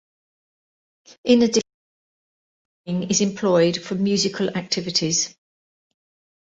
In addition, a separate wing is employed for musical activities.